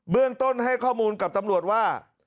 เรื่องต้นให้ข้อมูลกับตำรวจว่า